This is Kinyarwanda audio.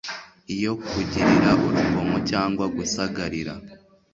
iyo kugirira urugomo cyangwa gusagarira